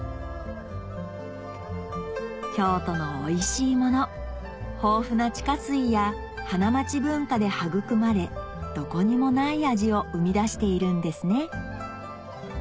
京都のおいしいもの豊富な地下水や花街文化で育まれどこにもない味を生み出しているんですね